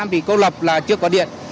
bị câu lập là chưa có điện